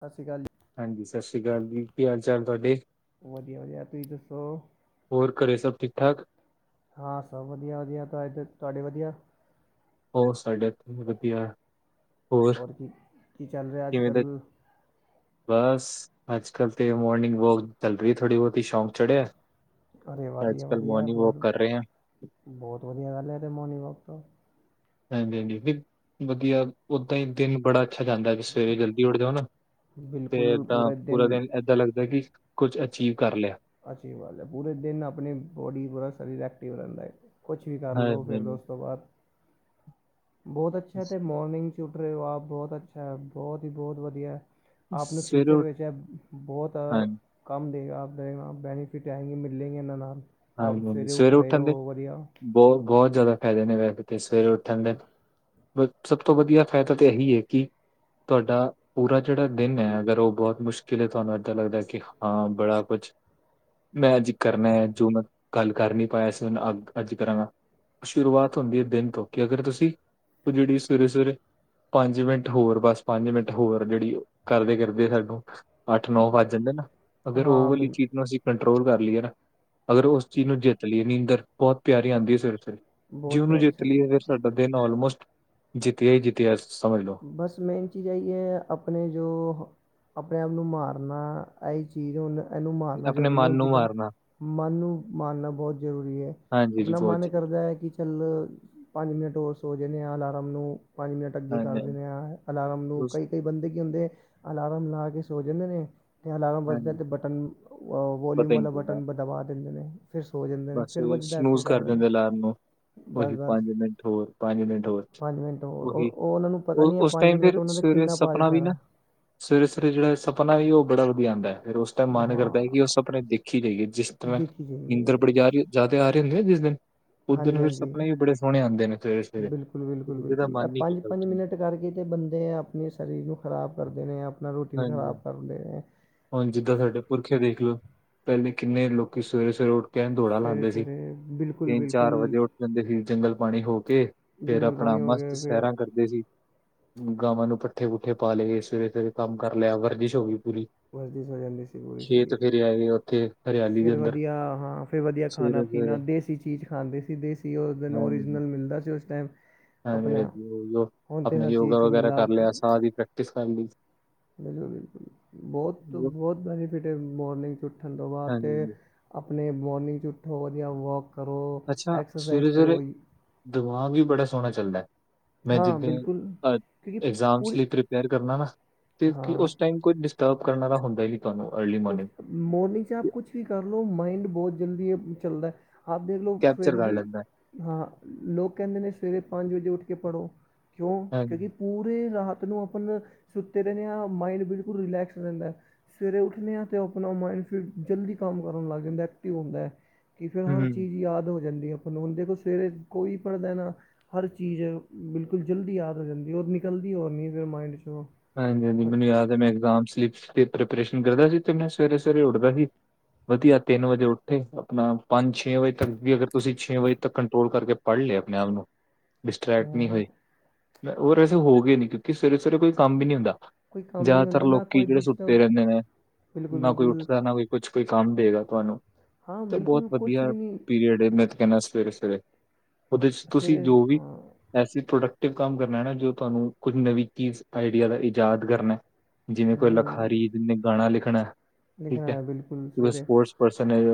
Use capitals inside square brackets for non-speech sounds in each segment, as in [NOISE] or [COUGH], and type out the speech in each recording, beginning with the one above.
ਸਤਿ ਸ਼੍ਰੀ ਅਕਾਲ ਹਾਂਜੀ ਸਤਿ ਸ੍ਰੀ ਅਕਾਲ ਜੀ ਕੀ ਹਾਲ ਚਾਲ ਤੁਹਾਡੇ ਵਧੀਆ ਵਧੀਆ ਤੁਸੀਂ ਦੱਸੋ ਹੋਰ ਘਰੇ ਸਭ ਠੀਕ ਠਾਕ ਹਾਂ ਸਭ ਵਧੀਆ ਵਧੀਆ ਤਾਂ ਇੱਧ ਤੁਹਾਡੇ ਵਧੀਆ ਹੋਰ ਸਾਡੇ ਇੱਥੇ ਵਧੀਆ ਹੋਰ ਔਰ ਕੀ ਕੀ ਚੱਲ ਰਿਹਾ ਅੱਜ ਕਿਵੇਂ ਦਾ ਕੱਲ੍ਹ ਬਸ ਅੱਜ ਕਲ ਤੇ ਮੋਰਨਿੰਗ ਵੋਕ ਚੱਲ ਰਹੀ ਥੋੜ੍ਹੀ ਬੋਤੀ ਸ਼ੌਂਕ ਚੜ੍ਹਿਆ ਅਰੇ ਅੱਜ ਕੱਲ ਮੋਰਨਿੰਗ ਵੋਕ ਕਰ ਰਹੇ ਆਂ ਬੋਤ ਵਧੀਆ ਗੱਲ ਹੈ ਤਾਂ ਮੋਰਨਿੰਗ ਵੋਕ ਤੋਂ ਹਾਂਜੀ ਹਾਂਜੀ ਵੀ ਵਧੀਆ ਓਦਾਂ ਹੀ ਦਿਨ ਬੜਾ ਅੱਛਾ ਜਾਂਦਾ ਵੀ ਸਵੇਰੇ ਜਲਦੀ ਉੱਠ ਜਾਓ ਨਾ ਤੇ ਬਿਲਕੁਲ ਤਾਂ ਪੂਰੇ ਪੂਰਾ ਦਿਨ ਏਦਾਂ ਲੱਗਦਾ ਕਿ ਕੁੱਝ ਅਚੀਵ ਕਰ ਲਿਆ ਅੱਛੀ ਗੱਲ ਹੈ ਪੂਰੇ ਦਿਨ ਆਪਣੀ ਬੋਡੀ ਪੂਰਾ ਸਰੀਰ ਐਕਟਿਵ ਰੈਂਦਾ ਹੈ ਕੁਛ ਵੀ ਕਰ ਲਉ ਹਾਂਜੀ ਫਿਰ ਦ ਉਸ ਹਾਂਜੀ ਤੋਂ ਬਾਅਦ ਬੋਤ ਅੱਛਾ ਅਤੇ ਮੋਰਨਿੰਗਸ ਰਹੇ ਹੋ ਆਪ ਬੋਤ ਅੱਛਾ ਹੈ ਬੋਤ ਹੀ ਬੋਤ ਵਧੀਆ ਹੈ। ਆਪ ਨੂੰ ਸਵੇਰੇ ਫਿਊਚਰ ਉੱਠ ਵਿੱਚ ਬੋਤ ਹਾਂਜੀ ਕਮ ਦੇਗਾ ਬੈਨੀਫਿਟ ਆਂਗੇ ਮਿਲ ਲੈਂਗੇ ਨਾ ਨਾਲ ਆਪ ਸਵੇਰੇ ਉੱਠ ਰਹੇ ਹੋ ਵਧੀਆ ਬੋਤ ਬੋਤ ਜਾਦਾ ਫੈਦੇ ਨੇ ਵੈੇ ਤੇ ਸਵੇਰੇ ਉੱਠਣ ਦੇ ਸਭ ਤੋਂ ਵਧੀਆ ਫੈਦਾ ਤਾਂ ਇਹੀ ਹੈ ਕਿ ਤੁਹਾਡਾ ਪੂਰਾ ਜੇੜਾ ਦਿਨ ਹੈ ਅਗਰ ਉਹ ਬੋਤ ਮੁਸ਼ਕਿਲ ਹੈ ਤੁਹਾਨੂੰ ਇੱਦਾਂ ਲੱਗਦਾ ਕਿ ਹਾਂ ਬੜਾ ਕੁਛ ਮੈਂ ਅੱਜ ਕਰਨਾ ਹੈ ਜੋ ਮੈਂ ਕਲ ਕਰ ਨੀ ਪਾਇਆ ਸੀ ਓਨੂੰ ਅੱ ਅੱਜ ਕਰਾਂਗਾ ਸ਼ੁਰੂਆਤ ਹੁੰਦੀ ਹੈ ਦਿਨ ਤੋਂ ਕਿ ਅਗਰ ਤੁਸੀਂ ਉਹ ਜੇੜੀ ਸਵੇਰੇ ਸਵੇਰੇ ਪੰਜ ਮਿੰਟ ਹੋਰ ਬਸ ਪੰਜ ਮਿੰਟ ਹੋਰ ਜੇੜੀ ਕਰਦੇ ਕਰਦੇ ਸਾਨੂੰ ਅੱਠ ਨੌ ਵੱਜ ਜਾਂਦੇ ਨਾ ਅਗਰ ਉਹ ਵਾਲੀ ਚੀਜ਼ ਨੂੰ ਅਸੀਂ ਕੰਟਰੋਲ ਕਰ ਲਈਏ ਨਾ ਅਗਰ ਉਸ ਚੀਜ਼ ਨੂੰ ਜਿੱਤ ਲਈਏ ਨੀਂਦਰ ਬੋਤ ਪਿਆਰੀ ਆਂਦੀ ਹੈ ਸਵੇਰੇ ਸਵੇ ਜੇ ਓਨੂੰ ਜਿੱਤ ਲਈਏ ਫ ਸਾਡਾ ਦਿਨ ਆਲਮੋਸਟ ਜਿੱਤਿਆ ਹੀ ਜੀਤਿਆ ਸਮਝ ਲੋੋ ਬਸ ਮੇਨ ਚੀਜ਼ ਆਈ ਹੈ ਆਪਣੇ ਜੋ ਆਪਣੇ ਆਪ ਨੂੰ ਮਾਰਨਾ ਇਹ ਹੀ ਚੀਜ਼ ਹ ਇਹਨੂੰ ਮਾਰਨਾ ਆਪਣੇ ਜ਼ਰੂਰੀ ਮਨ ਹੋਣ ਨੂੰ ਜਿੱਦਾਂ ਮਾਰਨਾ ਮਨ ਨੂੰ ਮਾਰਨਾ ਬੋਤ ਜ਼ਰੂਰੀ ਹੈ ਹਾਂਜੀ ਜੀ ਆਪਣਾ ਬਹੁਤ ਮਨ ਕਰਦਾ ਹੈ ਕਿ ਚੱਲ ਪੰਜ ਮਿੰਟ ਹੋਰ ਸੋ ਜਾਂਦੇ ਹਾਂ ਅਲਾਰਮ ਨੂੰ ਪੰਜ ਮਿੰਟ ਅੱਗੇ ਹਾਂਜੀ ਕਰ ਹਾਂਜੀ ਦਿੰਦੇ ਹ ਅਲਾਰਮ ਨੂੰ ਉਸ ਕਈ ਕਈ ਬੰਦੇ ਕੀ ਹੁੰਦੇ ਅਲਾਰਮ ਲਾ ਕੇ ਸੋ ਜਾਂਦੇ ਨੇ ਅਤੇ ਅਲਾਰਮ ਵਜਦੇ ਹਾਂਜੀ ਅਤੇ ਬਟਨ ਵੋਲੀਅਮ ਪਤਾ ਹੀ ਨਹੀਂ ਵਾਲਾ ਚੱਲਦਾ ਬਟਨ ਦਬਾ ਦਿੰਦੇ ਨੇ ਫਿਰ ਸੋ ਜਾਂਦੇ ਨੇ ਬਸ ਫਿਰ ਉਹੀ ਵੱਜਦਾ ਫਿਰ ਸਨੂਜ ਕਰ ਕਰਦੇ ਨੇ ਦਿੰਦੇ ਅਲਾਰਮ ਨੂੰ ਬਸ ਉਹੀ ਬਸ ਪੰਜ ਮਿੰਟ ਹੋਰ ਪੰਜ ਮਿੰਟ ਹੋਰ ਪੰਜ ਮਿੰਟ ਹੋਰ ਉਹੀ ਉਹਨਾਂ ਨੂੰ ਪਤਾ ਉਹ ਨਹੀਂ ਹੈ ਉਸ ਪੰਜ ਟਾਈਮ ਮਿੰਟ ਫਿਰ ਉਹਨਾਂ ਦਾ ਸਵੇਰੇ ਕਿੰਨਾ ਭਾਰੀ ਹੀ ਸਪਨਾ ਵੀ ਨਾ ਪੈਣਾ ਸਵੇਰੇ ਸਵੇ ਜੇੜਾ ਸਪਨਾ ਹੈ ਵੀ ਉਹ ਬੜਾ ਵਧੀਆ ਆਂਦਾ ਫਿਰ ਮਨ ਹਾਂ ਕਰਦਾ ਹੈ ਕਿ ਉਹ ਸਪਨੇ ਦੇਖੀ ਜਾਈਏ ਜਿਸ ਤਰ੍ਹਾਂ ਦੇਖੀ ਇੰਦਰ ਜਾਈਏ ਜਾਦਾ ਆ ਰਹੇ ਹੁੰਦੇ ਆ ਜਿਸ ਦਿਨ ਉਦਣ ਹਾਂਜੀ ਫਿਰ ਹਾਂਜੀ ਸਪਨੇ ਵੀ ਬੜੇ ਸੋਹਣੇ ਆਂਦੇ ਨੇ ਸਵੇਰੇ ਬਿਲਕੁਲ ਸਵੇਰੇ ਦੇ ਦਾ ਮਨ ਹੀਤ ਜੇੜੇ ਬੰਦੇ ਆਪਣੇ ਸਰੀਰ ਨੂੰ ਖ਼ਰਾਬ ਕਰਦੇ ਨੇ ਆਪ ਆਪਣਾ ਰੂਟੀਨ ਖ਼ਰਾਬ ਹਾਂਜੀ ਕਰ ਨ ਡੇੱ ਕਿਆ ਦੇਖ ਲਓ ਪਹਿਲੇ ਕਿੰਨੇ ਲੋਕ ਸਵੇਰੇ ਸਵੇਰੇ ਉੱਠ ਕਹਿਣ ਦੌੜਾ ਸਵੇਰੇ ਲਾਉਂਦੇ ਸੀ ਸਵੇਰੇ ਬਿਲਕੁਲ ਤਿੰਨ ਚਾਰ ਬਿਲਕੁਲ ਵਜੇ ਉੱਠ ਜਾਂਦੇ ਸੀ ਜੰਗਲ ਪਾਣੀ ਹੋ ਕੇ ਫੇਰ ਜੰਗਲ ਆਪਣਾ ਪਾਣੀ ਹੋ ਮਸਤ ਗਏ ਫਿਰ ਸੈਰਾਂ ਕਰਕੇ ਠੀਕ ਹ ਜੀ ਗਾਵਾਂ ਨੂੰ ਪੱਠੇ ਪੁੂੱਠੇ ਪਾ ਲਏ ਗਏ ਸਵੇਰੇ ਸਵੇਰੇ ਕੰਮ ਕਰ ਲਿਆ ਵਰਜਿਸ਼ ਹੋ ਗਈ ਪੂਰੀ ਵਰਜਿਸ਼ ਵਗੈਰਾ ਕਰਨੇ ਵੀ ਸਹੀ ਹ ਤੇ ਹਲੇ ਫਿਰ ਵਧੀਆ ਹਾਂ ਫਿਰ ਵਧੀਆ ਖਾਣਾ ਪੀਣਾ ਸਵੇਰੇ ਦੇਸੀ ਚੀਜ਼ ਖਾਂਦੇ ਸੀ ਦੇਸੀ ਉਹ ਦਿਨ ਓਰੀਜਨਲ ਮਿਲਦਾ ਸੀ ਉਸ ਟਾਈਮ ਆਪਣਾ ਹਾਂਜੀ ਹੁਣ ਤਾਂ ਆਪਣਾ ਹਰ ਯੋਗਾ ਚੀਜ਼ 'ਚ ਵਗੈਰਾ ਕਰ ਲਿਆ ਮਿਲਾਵਟ ਸਾਹ ਹੀ ਪ੍ਰੈਕਟਿਸ ਕਰ ਲਈ ਬਿਲਕੁਲੁ ਬਹੁਤ ਹਾਂਜੀ ਬਹੁਤ ਬੈਨੀਫਿਟ ਏ ਮੋਰਨਿੰਗ 'ਚ ਉੱਠਣ ਤੋਂ ਬਾਅਦ ਅਤੇ ਹਾਂਜੀ ਆਪਣੇ ਮੋਰਨਿੰਗ 'ਚ ਉੱਠੋ ਵਧੀਆ ਵੋਕ ਕਰੋ ਅੱਛਾ ਐਕਸਰਸਾਈਜ਼ ਸਵੇਰੇ ਸਵੇਰੇ ਕਰੋ। ਦਿਮਾਗ ਵੀ ਬੜਾ ਸੋਹਣਾ ਚੱਲਦਾ। ਮੈਂ ਹਾਂ ਜਿੱਦਾਂ ਬਿਲਕੁਲ ਕਿਉਂਕਿ ਇਗਜ਼ਾਮ ਅ ਪੂਰੀ ਲਈ ਪ੍ਰਪੇਅਰ ਕਰਨਾ ਨਾ। ਤੇ ਹਾਂ ਉਸ ਟਾਈਮ ਕੋਈ ਡਿਸਟਰਬ ਕਰਨ ਵਾਲਾ ਹੁੰਦਾ ਹੀ ਨਹੀਂ ਤੁਹਾਨੂੰ ਅਰਲੀ ਕੁਛ ਮੋਰਨਿੰਗ ਮੋਰਨਿੰਗ 'ਚ ਆਪ ਕੁਛ ਵੀ ਕਰ ਲਓ ਮਾਈੰਡ ਬਹੁਤ ਜਲਦੀ ਚੱਲਦਾ। ਆਧੇ ਲੋਕ ਫਿਰ ਕੈਪਚਰ ਕਰ ਵੀ ਲੈਂਦਾ ਹਾਂ ਲੋਕ ਕਹਿੰਦੇ ਨੇ ਸਵੇਰੇ ਪੰਜ ਵਜੇ ਉੱਠ ਕੇ ਪੜ੍ਹੋ ਕਿਉਂ ਕਿਉਂਕਿ ਹਾਂਜੀ, ਪੂਰੇ ਰਾਤ ਨੂੰ ਆਪਾਂ ਸੁੱਤੇ ਰਹਿੰਦੇ ਹਾਂ ਮਾਇੰਡ ਬਿਲਕੁਲ ਰਿਲੈਕਸ ਰਹਿੰਦਾ ਸਵੇਰੇ ਉੱਠ ਨੇ ਹਾਂ ਅਤੇ ਆਪਣਾ ਮਾਇੰਡ ਫਿਰ ਜਲਦੀ ਕੰਮ ਕਰਨ ਲੱਗ ਜਾਂਦਾ ਐਕਟਿਵ ਹੁੰਦਾ। ਕਿ ਫਿਰ ਹਰ ਹੂੰ, ਚੀਜ਼ ਯਾਦ ਹੋ ਜਾਂਦੀ ਆ ਉਂਦੇ ਕੋਲ ਸਵੇਰੇ ਕੋਈ ਪੜ੍ਹਦਾ ਨਾ ਹਰ ਚੀਜ਼ ਬਿਲਕੁਲ ਜਲਦੀ ਯਾਦ ਹੋ ਜਾਂਦੀ ਔਰ ਨਿਕਲਦੀ ਕੋਈ ਨਹੀਂ ਫੇਰ ਮਾਈਂਡ ਚ ਉਹ ਹਾਂਜੀ, ਹਾਂਜੀ ਮੈਨੂੰ ਯਾਦ ਹੈ ਮੇਰਾ ਇਗਜਾਮ ਸੀ ਪੇਪਰ ਪ੍ਰੈਪਰੇਸ਼ਨ ਕਰਦਾ ਸੀ ਤੇ ਮੈਂ ਸਵੇਰੇ ਸਵੇਰੇ ਉੱਠਦਾ ਸੀ ਵਧੀਆ ਤਿੰਨ ਵਜੇ ਉੱਠੇ ਆਪਣਾ ਪੰਜ ਛੇ ਵਜੇ ਤੱਕ ਵੀ ਅਗਰ ਤੁਸੀਂ ਛੇ ਵਜੇ ਤੱਕ ਕੰਟਰੋਲ ਕਰਕੇ ਪੜ੍ਹ ਲਏ ਆਪਣੇ ਆਪ ਨੂੰ ਡਿਸਟਰ੍ਰੈਕਟ ਨਹੀਂ ਹਾਂ ਹੋਏ। ਉਹ ਵੈਸੇ ਹੋ ਗਏ ਨੀ ਕਿਉਂਕਿ ਸਵੇਰੇ ਸਵੇਰੇ ਕੋਈ ਕੰਮ ਵੀ ਨਹੀਂ ਹੁੰਦਾ। ਕੋਈ ਕੰਮ ਹੀ ਨਹੀਂ ਜ਼ਿਆਦਾਤਰ ਹੁੰਦਾ ਨਾ ਲੋਕੀ ਕੋਈ ਜਿਹੜੇ ਸੁੱਤੇ ਡਿਸਟਰਬ ਰਹਿੰਦੇ ਨੇ ਨਾ ਕੋਈ ਉੱਠਦਾ ਨਾ ਕੋਈ ਕੁਛ ਕੋਈ ਕੰਮ ਦੇਗਾ ਤੁਹਾਨੂੰ ਤਾਂ ਬਹੁਤ ਵਧੀਆ ਪੀਰੀਅਡ ਏ ਮੈਂ ਕਹਿੰਦਾ ਸਵੇਰੇ ਸਵੇਰੇ ਉਹਦੇ ਚ ਤੁਸੀਂ ਜੋ ਵੀ ਐਸੀ ਪ੍ਰੋਡਕਟਿਵ ਕੰਮ ਕਰਨਾ ਨਾ ਜੋ ਤੁਹਾਨੂੰ ਕੁਝ ਨਵੀਂ ਚੀਜ਼ ਆਈਡੀਆ ਦਾ ਇਜਾਦ ਕਰਨਾ। ਜਿਵੇਂ ਕੋਈ ਲਿਖਾਰੀ ਜਿਨੇ ਗਾਣਾ ਲਿਖਣਾ ਠੀਕ ਹੈ ਸਪੋਰਟਸ ਪਰਸਨ ਏ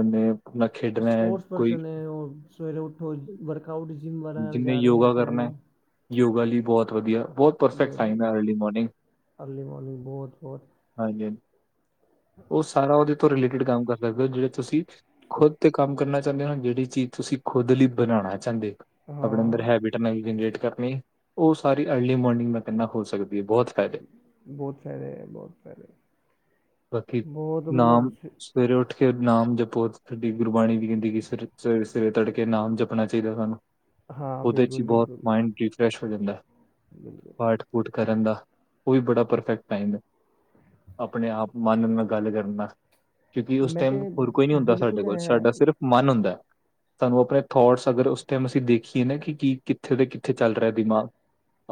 ਸਪੋਰਟਸ ਪਰਸਨ ਹੈ ਉਹ ਸਵੇਰੇ ਉੱਠੋ ਵਰਕ ਆਊਟ ਜਿੰਮ ਵਗੈ ਜਿਹਨੇ ਜਾ ਰਹੇ ਹੈ ਯੋਗਾ ਤੇ ਕਰਨਾ ਉਹਨੂੰ ਯੋਗਾ ਲਈ ਬਹੁਤ ਵਧੀਆ ਬਹੁਤ ਪਰਫੈਕਟ ਟਾਈਮ ਹੈ ਅਰਲੀ ਮੋਰਨਿੰਗ ਹਾਂਜੀ, ਹਾਂਜੀ ਉਹ ਸਾਰਾ ਉਹਦੇ ਤੋਂ ਰਿਲੇਟਿਡ ਕੰਮ ਕਰਦਾ। ਮਤਲਬ ਜਿਹੜੇ ਤੁਸੀਂ ਖੁਦ ਤੇ ਕੰਮ ਕਰਨਾ ਚਾਹੁੰਦੇ ਹੋ ਜਿਹੜੀ ਚੀਜ਼ ਤੁਸੀਂ ਖੁਦ ਲਈ ਬਣਾਉਣਾ ਚਾਹੁੰਦੇ ਹੋ ਆਪਣੇ ਅੰਦਰ ਹੈਬਿਟ ਨਈ ਜਨਰੇਟ ਕਰਨੀ ਉਹ ਸਾਰੀ ਅਰਲੀ ਮੋਰਨਿੰਗ ਕਿੰਨਾ ਹੋ ਸਕਦੀ ਹੈ ਬਹੁਤ ਫਾਇਦੇ ਬਹੁਤ ਸਾਰੇ ਬਹੁਤ ਸਾਰੇ ਬਾਕੀ ਬਹੁਤ ਮਤਲਬ ਨਾਮ ਸਵੇਰੇ ਉੱਠ ਕੇ ਨਾਮ ਜਪੋ ਤੁਹਾਡੀ ਗੁਰਬਾਣੀ ਵੀ ਕਹਿੰਦੀ ਸਵੇਰੇ ਸਵੇਰੇ ਸਵੇਰੇ ਤੜਕੇ ਨਾਮ ਜਪਣਾ ਚਾਹੀਦਾ ਸਾਨੂੰ ਉਹਦੇ ਚ ਹੀ ਬਹੁਤ ਮਾਇੰਡ ਰਿਫਰੈਸ਼ ਹੋ ਜਾਂਦਾ ਪਾਠ ਉਠ ਕਰਨ ਦਾ ਓਹ ਵੀ ਬੜਾ ਪਰਫੈਕਟ ਟਾਈਮ ਐ। ਅਪਣੇ ਆਪ ਮਨ ਨਾਲ ਗੱਲ ਕਰਨਾ। ਕਿਉਂਕਿ ਉਸ ਟੈਮ ਹੋਰ ਕੋਈ ਨੀ ਹੁੰਦਾ ਸਾਡੇ ਕੋਲ, ਸਾਡਾ ਸਿਰਫ ਮਨ ਹੁੰਦੈ। ਸਾਨੂੰ ਅਪਣੇ ਥੋਟਸ ਅਗਰ ਉਸ ਟੈਮ ਅਸੀਂ ਦੇਖੀਏ ਨਾ ਕਿ ਕੀ ਕਿੱਥੇ ਤੇ ਕਿੱਥੇ ਚੱਲ ਰਿਆ ਦਿਮਾਗ।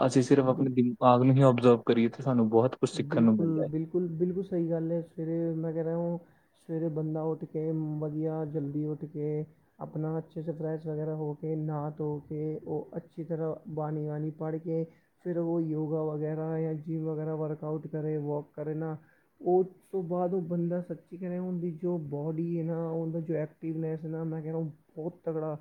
ਅਸੀਂ ਸਿਰਫ਼ ਅਪਣੇ ਦਿਮਾਗ ਨੂੰ ਹੀ ਓਬਜ਼ਰਵ ਕਰੀਏ ਤੇੇ ਸਾਨੂੰ ਬਹੁਤ। ਕੁਝ ਸਿੱਖਣ ਨੂੰ ਮਿਲਦਾ ਹੈ ਬਿਲਕੁਲ-ਬਿਲਕੁਲ, ਬਿਲਕੁਲ ਸਹੀ ਗੱਲ ਐ ਸਵੇਰੇ ਮੈਂ ਕੈ ਰਿਹਾ ਔ ਸਵੇਰੇ ਬੰਦਾ ਉੱਠ ਕੇ, ਵਧੀਆ ਜਲਦੀ ਉੱਠ ਕੇ ਅਪਣਾ ਅੱਛੇ ਸੇ ਫਰੈਸ਼ ਵਗੈਰਾ ਹੋ ਕੇ, ਨਾ ਧੋ ਕੇ, ਓਹ ਅੱਛੀ ਤਰ੍ਹਾਂ ਬਾਣੀ ਵਾਨੀ ਪੜ੍ਹ ਕੇ ਫਿਰ ਓਹ ਯੋਗਾ ਵਗੈਰਾ ਯਾ ਜਿਮ ਵਗੈਰਾ ਵਰਕ ਆਊਟ ਕਰੇ ਵੋਕ ਕਰੇ ਨਾ ਓਹ ਉਸ ਤੋਂ ਬਾਦ ਓਹ ਬੰਦਾ ਸੱਚੀ ਕੈ ਰੇਆ ਉੰਦੀ ਜੋ ਬੋਡੀ ਏ ਨਾ ਓਂਦਾ ਜੋ ਐਕਟੀਵਨੈਸ ਏ ਨਾ ਮੈਂ ਕੈ ਰਾ ਉ ਬੌਤ ਤਗੜਾ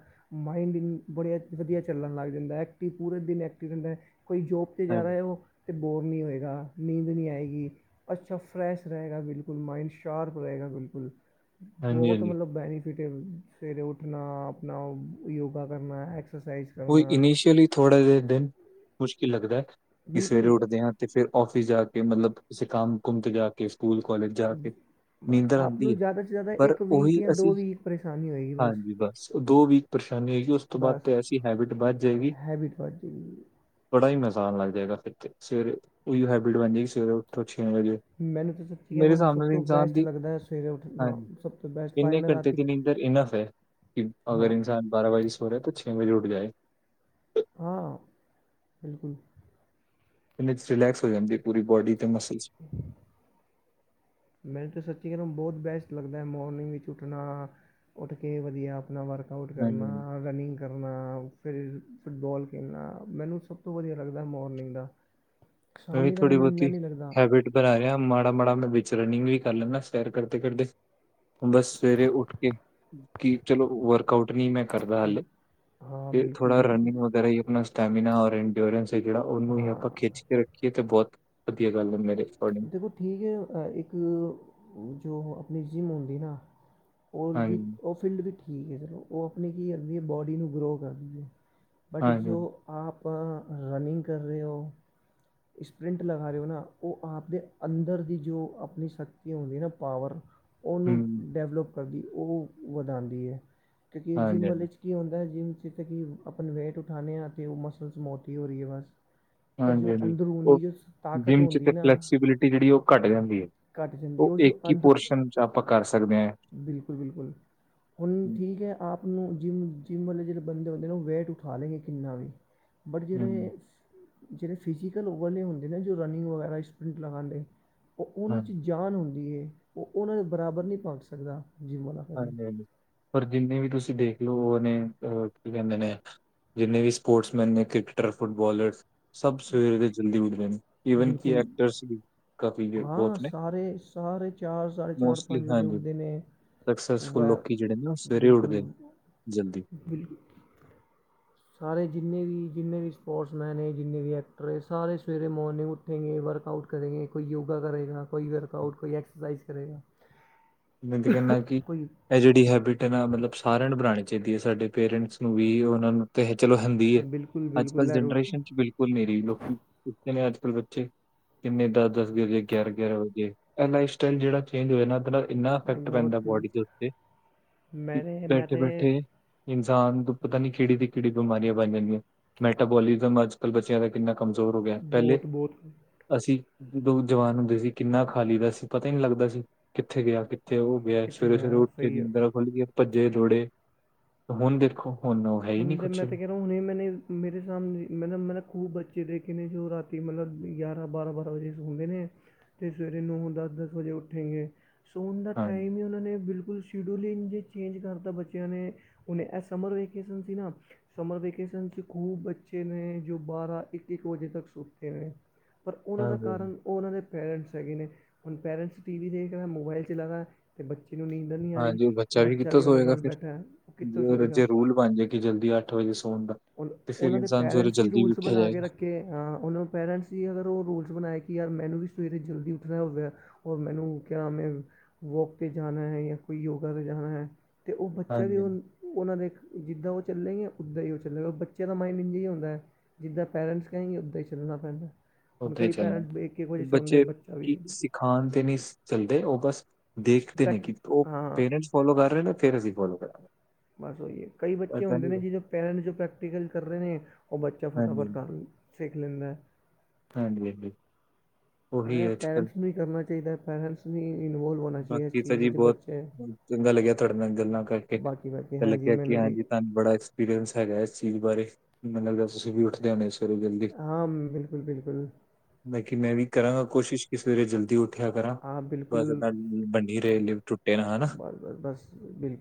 ਮਾਇੰਡ ਨ ਬੜੀਆ ਵਧੀਆ ਚੱਲਣ ਲੱਗ ਜਾਂਦੈ ਐਕਟਿਵ ਪੂਰੇ ਦਿਨ ਐਕਟਿਵ ਰੈੰਦੈ, ਕੋਈ ਜੋਬ ਤੇ ਜਾ ਹਾਂਜੀ ਰਿਹਾ ਉਹ ਤਾਂ ਬੋਰ ਨਹੀਂ ਹੋਏਗਾ। ਨੀਂਦ ਨੀ ਆਏਗੀ, ਅੱਛਾ ਫ੍ਰੈਸ਼ ਰਹੇਗਾ ਬਿਲਕੁਲ, ਮਾਇਂਡ ਸ਼ਾਰਪ ਰਹੇਗਾ ਬਿਲਕੁਲ। ਹਾਂਜੀ ਬੌਤ ਹਾਂਜੀ ਮਤਲਬ ਬੈਨੀਫਿ ਫਿਟੇ ਹੋਏ ਸਵੇਰੇ ਉੱਠਣਾ ਅਪਣਾ ਔ ਯੋਗਾ ਕਰਨਾ ਐਕਸਰਸਾਈਜ਼। ਕੋਈ ਕਰਨਾ ਇਨੀਸ਼ੀਅਲੀ ਥੋੜਾ ਜਾ ਦਿਨ ਮੁਸ਼ਕਿਲ ਲੱਗਦੈ ਕਿ ਸਵੇਰੇ ਬਿਲਕੁਲ ਉੱਠਦੇਆ। ਤੇ ਫੇਰ ਔਫਿਸ ਜਾ ਕੇ ਮਤਲਬ ਕਿਸੇ ਕੰਮ-ਕੁਮ ਤੇ ਜਾ ਕੇ ਸਕੂਲ ਕੋਲੇਜ ਜਾ ਕੇ। ਬਸ ਨੀਂਦਰ ਆਪ ਆੰਦੀ ਏ ਨੂੰ ਜ਼ਿਆਦਾ ਤੋਂ ਜ਼ਿਆਦਾ ਪਰ ਇੱਕ ਵੀਕ ਓਹੀ ਜਾਂ ਦੋ ਅਸੀਂ ਵੀਕ ਪਰੇਸ਼ਾਨੀ ਹੋਏਗੀ ਹਾਂਜੀ ਬਸ ਦੋ ਵੀਕ ਪਰਸ਼ਾਨੀ ਹੋਏਗੀ ਉਸ ਤੋਂ ਬਾਦ ਤੇ ਬਸ ਐਸੀ ਹੈਬਿਟ ਬੱਧ ਜਾਏਗੀ। ਹੈਬਿਟ ਬਣ ਜਾਏਗੀ ਬੜਾ ਹੀ ਮਜ਼ਾ ਆਨ ਲੱਗ ਜੇਗਾ ਫਿਰ ਤੇ ਸਵੇਰੇ ਓਹੀਓ ਹੈਬਿਟ ਬਣ ਜੇਗੀ ਸਵੇਰੇ ਉਠੋ ਛੇ ਵਜੇ। ਮੈਨੂੰ ਤੇ ਸੱਚੀ ਕੈਰਾ ਮੇਰੇ ਹੁਣ ਸਭ ਸਾਹਮਣੇ ਦੇ ਤੋਂ ਇਨਸਾਨ ਬੈਸਟ ਦੀ ਲੱਗਦੈ ਸਵੇਰੇ ਉੱਠਣਾ, ਸਭ ਤੋਂ ਬੈਸਟ ਪਾਏ ਮੈਂ ਰਾਤੀ ਇਧਰ ਇਨਫ ਹੈ ਕਿ ਹਾਂ ਅਗਰ ਇਨਸਾਨ ਬਾਰਾਂ ਵਜੇ ਸੋ ਰੈ ਤੋ ਛੇ ਵਜੇ ਉੱਠ ਜਾਏ। ਹਾਂ, ਬਿਲਕੁਲ। ਪੁਨੀਤ ਫਿਲੈਕਸ ਹੋ ਜਾਂਦੀ ਏ ਪੂਰੀ ਬੋਡੀ ਤੇ ਮਸਲਸ। ਮੈਨੂੰ ਤਾਂ ਸੱਚੀ ਕੈੰਦਾ ਬੋਤ ਬੈਸਟ ਲੱਗਦੈ ਮੋਰਨਿੰਗ ਵਿੱਚ ਉੱਠਣਾ। ਉੱਠ ਕੇ ਵਧੀਆ ਅਪਣਾ ਵਰਕ ਆਊਟ ਹਾਂਜੀ ਹਾਂਜੀ ਕਰਨਾ, ਰਨਿੰਗ ਕਰਨਾ, ਫਿਰ ਫੁੱਟਬੋਲ ਖੇਲਣਾ। ਮੈਨੂੰ ਸਭ ਤੋਂ ਵਧੀਆ ਲੱਗਦੈ ਮੋਰਨਿੰਗ ਦਾ। [INAUDIBLE] ਮੈ ਵੀ ਦਾ ਥੋੜ੍ਹੀ ਮੈਨੂੰ ਇੰਨਾ ਬੌਤੀ ਨਹੀਂ ਲੱਗਦਾ ਹੈਬਿਟ ਬਣਾ ਰਿਆ, ਮਾੜਾ-ਮਾੜਾ ਮੈ ਵਿੱਚ ਰਨਿੰਗ ਵੀ ਕਰ ਲੈਂਦਾ ਸੈਰ ਕਰਦੇ-ਕਰਦੇ। ਹੁਣ ਬਸ ਸਵੇਰੇ ਉੱਠ ਕੇ ਕੀ ਚਲੋ ਵਰਕ ਕਾਉਟ ਨੀ ਮੈਂ ਕਰਦਾ ਹਾਲੇ ਹਾਂ ਤੇ ਬਿਲਕੁਲ ਥੋੜਾ ਰਨਿੰਗ ਬਿਲਕੁਲ ਵਗੈਰਾ ਈ ਅਪਣਾ ਸਟੈਮਿਨਾ ਆਰੇਣ ਪਿਓਰੈਂਸ ਏ ਜੇੜਾ ਓਨੂੰ ਹੀ ਹਾਂ ਆਪਾਂ ਖਿੱਚ ਕੇ ਰੱਖੀਏ ਤੇ ਬੌਤ ਵਧੀਆ ਗੱਲ ਏ ਮੇਰੇ ਕੋਰਡਿੰਗ। ਦੇਖੋ ਠੀਕ ਏ, ਅ ਇੱਕ ਜੋ ਅਪਣੀ ਜਿੰਮ ਹੁੰਦੀ ਨਾ ਔਰ ਵੀ ਹਾਂਜੀ ਓਹ ਫੀਲਡ ਵੀ ਠੀਕ ਏ ਫੇਰ ਔ ਅਪਣੀ ਕੀ ਕਰਦੀ ਏ? ਬੋਡੀ ਨੂੰ ਗਰੋ ਕਰਦੀ ਏ। ਬਟ ਹਾਂਜੀ ਜੋ ਆਪ ਰਨਿੰਗ ਕਰ ਰਹੇ ਔ, ਇਸਪਰਿੰਟ ਲਗਾ ਰਹੇ ਹੋ ਨਾ ਔ ਆਪ ਦੇ ਅੰਦਰ ਦੀ ਜੋ ਅਪਣੀ ਸ਼ਕਤੀਆ ਹੁੰਦੀਐ ਨਾ ਪਾਵਰ ਓਨੂੰ ਹੂੰ ਡੈਵਲਪ ਕਰਦੀ ਓਹ ਵਧਾਦੀ ਏ ਕਿਉਂਕਿ ਏ ਹਾਂਜੀ ਹਾਂਜੀ ਜਿੰਮ ਵਾਲੇ ਚ ਕੀ ਹੁੰਦੈ ਜਿੰਮ 'ਚ ਤੇ ਕਿ ਅਪਣੇ ਵੇਟ ਉਠਾਨੇ ਆਂ ਤੇ ਓਹ ਮਸਲਸ ਮੌਟੀ ਹੋ ਰੀ ਏ ਬਸ। ਪਰ ਜੋ ਅੰਦਰੂਨੀ ਜੋ ਸ ਤਾਕਤ ਜਿਮ 'ਚ ਤੇ ਹੁੰਦੀ ਨਾ ਫਲੈਕਸੀਬਿਲਿਟੀ ਜੇੜੀ ਉਹ ਘੱਟ ਜਾਂਦੀ ਏ। ਘੱਟ ਜਾਂਦੀ ਉਹ ਇਕਕ ਹੀ ਪੋਰਸ਼ਨ ਚ ਆਪਾਂ ਕਰ ਸਕਦੇ ਆਂ। ਬਿਲਕੁਲ-ਬਿਲਕੁਲ। ਹੁਣ ਠੀਕ ਹੈ ਆਪ ਨੂੰ ਜਿੰਮ, ਜਿੰਮ ਵਾਲੇ ਜੇੜੇ ਬੰਦੇ ਹੁੰਦੇ ਨਾ ਓਹ ਵੇਟ ਉਠਾ ਲੈਂਗੇ ਕਿੰਨਾ ਵੀ। ਬਟ ਹੂੰ ਜੇੜੇ, ਜੇੜੇ ਫਿਜ਼ੀਕਲ ਵਲੇ ਹੁੰਦੇ ਨਾ ਜੋ ਰਨਿੰਗ ਵਗੈਰਾ ਇਸਪ੍ਰਿੰਟ ਲਗਾਦੇ, ਔ ਓਨਾਂ ਹਾਂ 'ਚ ਜ ਜਾਨ ਹੁੰਦੀ ਏ, ਓਹ ਓਨਾਂ ਦੇ ਬਰਾਬਰ ਨਹੀਂ ਪੋੰਚ ਸਕਦਾ। ਜਿੰਮ ਵਾਲਾ ਕਦੇ ਹਾਂਜੀ-ਹਾਂਜੀ, ਪਰ ਜਿੰਨੇ ਵੀ ਤੁਸੀਂ ਦੇਖ ਲੋ ਓਹ ਨੇ ਓਹ ਕੀ ਕੈੰਦੇ ਨੇ ਜਿੰਨੇ ਵੀ ਸਪੋਰਟਸਮੈਨ ਨੇ ਕ੍ਰਿਕਟਰਸ, ਫੁੱਟਬਾਲਰਸ, ਸਭ ਸਵੇਰੇ ਦੇ ਜਲਦੀ ਉਠਦੇ ਨੇ। ਈਵਨ ਕਿ ਬਿਲਕੁਲ ਐਕਟਰਸ ਵੀ ਕਾਫੀ ਜੇ- ਹਾਂ ਬਹੁਤ ਨੇ ਸਾਰੇ, ਸਾਰੇ ਚਾਰ ਸਾਢੇ ਚਾਰ ਮੋਸਟਲੀ ਪੰਜ ਵਜੇ ਹਾਂਜੀ ਉੱਠਦੇ ਨੇ। ਉ ਸਕਸੈਸਫੁਲ ਹੈ ਲੋਕੀ ਜਿਹੜੇ ਨੇ ਉਹ ਸਵੇਰੇ ਬਿਲਕੁਲ ਉੱਠਦੇ ਨੇ ਜਲਦੀ ਬਿਲ ਸਾਰੇ ਜਿੰਨੇ ਵੀ ਜਿੰਨੇ ਵੀ ਸਪੋਰਟਸਮੈਨ ਨੇ ਜਿੰਨੇ ਵੀ ਐਕਟਰ ਹੈ ਸਾਰੇ ਸਵੇਰੇ ਮੋਰਨਿੰਗ ਉੱਠੇਗੇ ਵਰਕ ਆਊਟ ਕਰੇਗੇ ਕੋਈ ਯੋਗਾ ਕਰੇਗਾ ਕੋਈ ਵਰਕ ਆਊਟ ਕੋਈ ਐਕਸਰਸਾਈਜ਼ ਕਰੇਗਾ। [INAUDIBLE] ਮੈਂ ਤੇ ਕਹਿਨਾ ਕਿ ਇਹ ਜਿਹੜੀ ਹੈਬਿਟ ਹੈ ਨਾ ਮਤਲਬ ਸਾਰਿਆਂ ਨੂੰ ਬਣਾਉਣੀ ਚਾਹੀਦੀ ਹੈ ਸਾਡੇ ਪੇਰੈਂਟਸ ਨੂੰ ਵੀ ਉਹਨਾਂ ਨੂੰ ਤੇ ਚਲੋ ਹਿੰਦੀ ਹੈ ਅੱਜ ਕੱਲ ਜਨਰੇਸ਼ਨ ਚ ਬਿਲ ਕੁਲ ਨਹੀਂ ਰਹੀ ਮੇਰੀ ਲੋਕੀ ਪੁਤੇ ਨੇ ਅੱਜ ਕੱਲ੍ਹ ਬੱਚੇ ਕਿੰਨੇ ਦਸ-ਦਸ ਗ ਵਜੇ ਗਿਆਰ ਗਿਆਰਾਂ ਵਜੇ ਇਹ ਲਾਈਫ ਸਟਾਈਲ ਜਿਹੜਾ ਚੇਂਜ ਹੋਇਆ ਨਾ ਆ ਇੰਨਾ ਇਫੈਕਟ ਪੈਂਦਾ ਬੋਡੀ ਦੇ ਉੱਤੇ ਮੈਂ ਤਾਂ ਬੈਠੇ-ਬੈਠੇ ਇਨਸਾਨ ਤੋਂ ਪਤਾ ਨੀ ਕਿਹੜੀ ਤੇ ਕਿਹੜੀ ਬਿਮਾਰੀਆਂ ਬਣ ਜਾਂਦੀਆਂ ਮੈਟਾਬੋਲਿਜ਼ਮ ਅੱਜ ਕੱਲ੍ਹ ਬੱਚਿਆਂ ਦਾ ਕਿੰਨਾ ਕਮਜ਼ੋਰ ਹੋ ਗਿਆ ਪਹਿਲੇ ਬਹੁਤ ਬਹੁਤ ਅਸੀਂ ਜਦੋ ਜਵਾਨ ਹੁੰਦੇ ਸੀ ਕਿੰਨਾ ਖਾਲੀ ਦਾ ਸੀ ਪਤਾ ਹੀ ਨਹੀਂ ਲੱਗਦਾ ਸੀ। ਕਿੱਥੇ ਗਿਆ ਕਿੱਥੇ ਉਹ ਗਿਆ ਕਿੱਥੇ ਸਵੇਰੇ-ਸਵੇਰੇ ਗਿਆ ਉੱਠ ਕੇ ਸਹੀ ਹੈ ਨੀਦਰ ਖੁੱਲ ਗਈ ਏ ਭੱਜੇ ਦੋੜੇ, ਹੁਣ ਦੇਖੋ? ਹੁਣ ਉਹ ਹੈ ਹੀ ਨਹੀਂ ਹੁੰਦੇ ਕੁਛ ਮੈਂ ਤੇ ਹੋਰ ਵੀ ਮੈਨੇ ਮੇਰੇ ਸਾਹਣੇ ਮਤਲਬ ਮੈਂ ਖੂਬ ਬੱਚੇ ਦੇਖੇ ਨੇ ਜੋ ਰਾਤੀ ਮਤਲਬ ਗਿਆਰਾਂ ਬਾਰਾਂ-ਬਾਰਾਂ ਵਜੇ ਹੁੰਦੇ ਨੇ ਤੇ ਸਵੇਰੇ ਨੌ ਦਸ-ਦਸ ਵਜੇ ਉੱਠੇਗੇ। ਸੌਣ ਦਾ ਹਾਂਜੀ, ਟਾਈਮ ਹੀ ਉਹਨਾਂ ਨੇ ਬਿਲਕੁਲ ਸ਼ਡਿਊਲ ਇੰਝੇ ਚੇਂਜ ਕਰਤਾ ਬੱਚਿਆਂ ਨੇ ਹੁਨੇ ਇਹ ਸਮਰ ਵੇਕੇਸ਼ਨ ਸੀ ਨਾ ਸਮਰ ਵਕਕੇਸ਼ਨ ਚ ਖੂਬ ਬੱੱਚੇ ਨੇ ਜੋ ਬਾਰਾਂ ਇੱਕ-ਇੱਕ ਵਜੇ ਤੱਕ ਸੁੱਤੇ ਨੇ। ਪਰ ਉਹਨਾਂ ਹਾਂ, ਦਾ ਹਾਂਜੀ, ਕਾਰਨ ਉਹ ਉਹਨਾਂ ਦੇ ਪੇਰੈਂਟਸ ਹੈਗੇ ਨੇ ਹੁਣ ਪੇਰੈਂਟਸ ਟੀ ਵੀ ਦੇਖਦਾ ਮੋਬਾਇਲ ਚਲਾਦਾ ਅਤੇ ਬੱਚੇ ਨੂੰ ਨੀ ਦਰ ਨੀ ਆ ਰਹੀ ਹਾਂਜੀ ਉਹ ਬੱਚਾ ਕਿੱਥੋਂ ਵੀ ਉਹਨਾਂ ਸੋਏਗਾ ਨਾਲ ਫਿਰ। ਬੈਠਾ ਉਹ ਜੀ ਕਿੱਥੋਂ ਔਰ ਸੋਏਗਾ। ਜੇ ਰੂਲ ਬਣ ਜਾਏ ਕੇ ਜਲਦੀ ਅੱਠ ਵਜੇ ਸੋਣ ਦਾ ਉਨ ਤੇ ਫੇਰ ਇਨਸਾਨ ਸਵੇਰੇ ਜਲਦੀ ਬੈਠਿਆ ਜਾਏਗਾ। ਕਿ ਹਾਂ ਉਹਨਾਂ ਪੇਰੈਂਟਸ ਹੀ ਅਗਰ ਉਹ ਰੂਲਸ ਬਣਾਏ ਕਿ ਯਾਰ ਮੈਨੂੰ ਵੀ ਸਵੇਰੇ ਜਲਦੀ ਉੱਠਣਾ ਹੋਵੇ। ਔਰ ਮੈਨੂੰ ਕਿਆ ਮੈਂ ਵੋਕ ਤੇ ਜਾਣਾ ਹੈ ਜਾਂ ਕੋਈ ਯੋਗਾ ਤੇ ਜਾਣਾ ਹੈ। ਤੇ ਉਹ ਬੱਚਾ ਵੀ ਹਾਂਜੀ, ਹਾਂਜੀ ਉਹਨਾਂ ਦੇ ਜਿੱਦਾਂ ਉਹ ਚੱਲਣਗੇ ਉੱਦਾਂ ਹੀ ਉਹ ਚੱਲੇਗਾ ਬੱਚੇ ਦਾ ਮਾਈੰਡ ਇੰਜੇ ਈ ਹੁੰਦਾ। ਜਿੱਦਾਂ ਪੈਰੈਂਟਸ ਕਹਿਣਗੇ ਉੱਦਾਂ ਹੀ ਚੱਲਣਾ ਪੈਂਦਾ ਹੁਣ ਉੱਦਾਂ ਹੀ ਕਈ ਚੱਲਣਾ। ਪੈਰੈਂਟਸ ਬੱਚੇ ਕੀ ਸਿਖਾਉਣ ਤੇ ਨੀ ਚੱਲਦੇ ਉਹ ਬਸ ਦੇਖਦੇ ਨੇ ਪ੍ਰੈਕ ਕਿ ਉਹ ਹਾਂ ਪੇਰੈਂਟਸ ਫੋਲੋ ਕਰ ਰਹੇ ਨੇ ਫੇਰ ਅਸੀਂ ਫੋਲੋ ਕਰਾਂਗੇ। ਬਸ ਉਹੀ ਹੈ ਕਈ ਬੱਚੇ ਏਦਾਂ ਹੁੰਦੇ ਨੀ ਨੇ ਗਾ ਜਿਹਦ ਪੇਰੈਂਟਸ ਜੋ ਪ੍ਰੈਕਟੀਕਲ ਕਰ ਰਹੇ ਨੇ ਉਹ ਬੱਚਾ ਹਾਂਜੀ, ਫਟਾਫਟ ਕਰ ਸਿੱਖ ਲੈਂਦਾ। ਹਾਂਜੀ-ਹਾਂਜੀ ਔਰ ਐ ਪੈਰੈਂਟਸ ਵੀ ਕਰਨਾ ਚਾਹੀਦਾ ਪੈਰੈਂਟਸ ਵੀ ਇਨਵੋਲਵ ਬਾਕੀ ਤਾਂ ਜੀ ਬੋਹਤ ਚੰਗਾ ਲੱਗਿਆ ਤੁਹਾਡੇ ਨਾਲ ਗੱਲਾਂ ਕਰਕੇ ਲੱਗਿਆ ਕਿ ਹਾਂਜੀ ਤੁਨੂੰ ਬੜਾ ਐਕਸਪੀਰੀਅੰਸ ਹੈਗਾ ਇਸ ਚੀਜ਼ ਬਾਰੇ ਮਨ ਲੱਗਦਾ ਤੁਸੀਂ ਵੀ ਉੱਠਦੇ ਹੁੰਨੇ ਸ ਚਲੋ ਜਲਦੀ ਬਾਕੀ ਮੈਂ ਵੀ ਕਰਾਂਗਾ ਕੋਸ਼ਿਸ਼ ਕਿ ਸਵੇਰੇ ਜਲਦੀ ਉਠ ਠਿਆ ਕਰਾਂ ਬਸ ਬੰਨੀ ਰਹੇ ਟੁੱਟੇ ਨਾ ਹਨਾ। ਬਸ ਬਿਲ